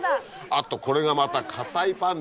あとこれがまた。